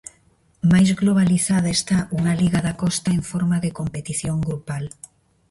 Máis globalizada está unha liga da Costa en forma de competición grupal.